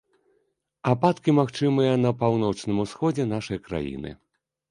Ападкі магчымыя на паўночным усходзе нашай краіны.